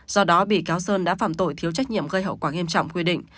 do đó bị cáo sơn đã phạm tội thiếu trách nhiệm gây hậu quả nghiêm trọng quy định